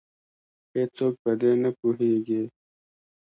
هیڅوک په دې نه پوهیږې